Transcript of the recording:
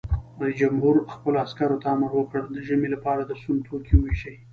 رئیس جمهور خپلو عسکرو ته امر وکړ؛ د ژمي لپاره د سون توکي وویشئ!